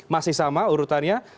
masih sama urutannya